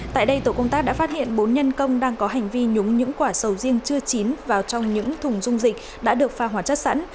tại đây tổ công tác đã phát hiện bốn nhân công đang có hành vi nhúng những quả sầu riêng chưa chín vào trong những thùng dung dịch đã được pha hóa chất sẵn